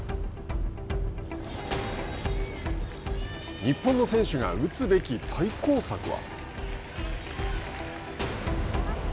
日本の選手が打つべき対抗策は？